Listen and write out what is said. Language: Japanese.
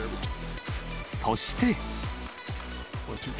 そして。